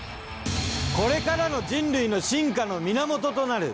これからの人類の進化の源となる